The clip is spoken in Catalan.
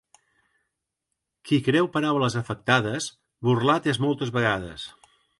Qui creu paraules afectades, burlat és moltes vegades.